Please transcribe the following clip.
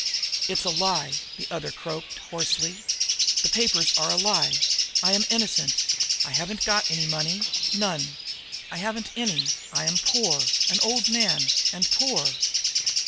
"It's a lie!" the other croaked hoarsely. "Those papers are a lie! I am innocent. And I haven't got any money. None! I haven't any. I am poor an old man and poor."